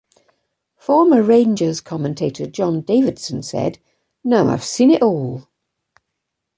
Former Rangers commentator John Davidson said, Now I've seen it all!